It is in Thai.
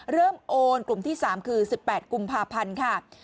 โอนกลุ่มที่๓คือ๑๘กุมภาพันธ์ค่ะ